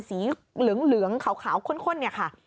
สีเหลืองขาวข้นค่ะ